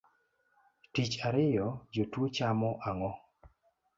Tich ariyo jotuo chamo ang’o?